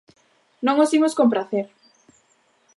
Non os imos compracer.